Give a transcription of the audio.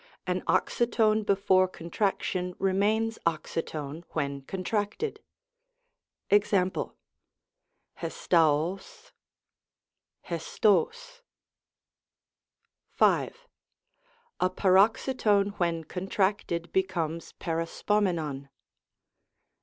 An oxytone before contraction remains oxy tone when contracted. Ex.^ haraca^y karcog. V. A paroxytone when contracted becomes peri spomenon.